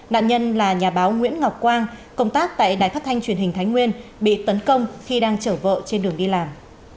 nạn nhân là nhà báo nguyễn ngọc quang công tác tại đài phát thanh truyền hình thái nguyên bị tấn công khi đang chở vợ trên đường đi làm